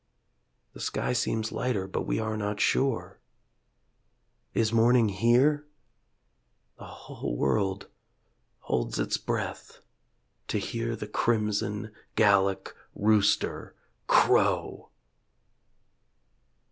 The sky seems lighter but we are not sure. Is morning here ...? The whole world holds its breath To hear the crimson Gallic rooster crow!